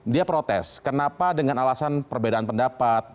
dia protes kenapa dengan alasan perbedaan pendapat